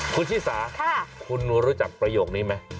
คุณชิสาคุณรู้จักประโยคนี้ไหม